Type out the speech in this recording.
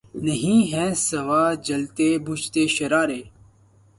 نہیں ھیں سوا جلتے بجھتے شرارے